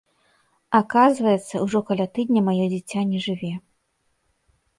Аказваецца, ужо каля тыдня маё дзіця не жыве.